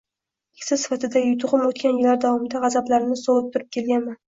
Keksa sifatidagi yutug’im o’tgan yillar davomida g’azablarimni sovurib kelganimda.